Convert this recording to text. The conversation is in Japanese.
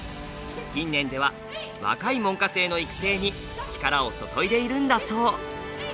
近年では若い門下生の育成に力を注いでいるんだそう。